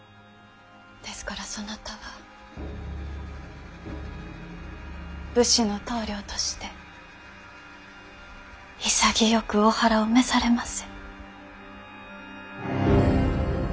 ですからそなたは武士の棟梁として潔くお腹を召されませ。